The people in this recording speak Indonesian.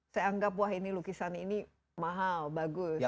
saya anggap wah ini lukisan ini mahal bagus